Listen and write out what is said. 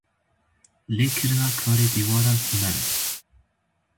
Lêkirina karê dîwaran huner e.